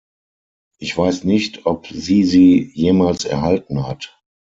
Ich weiß nicht, ob sie sie jemals erhalten hat.